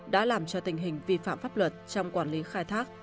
đã làm cho tình hình vi phạm pháp luật trong quản lý khai thác